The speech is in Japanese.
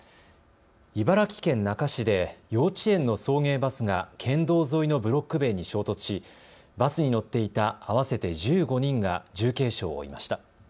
茨城県那珂市で幼稚園の送迎バスが県道沿いのブロック塀に衝突しバスに乗っていた合わせて１５人が重軽傷を負いました。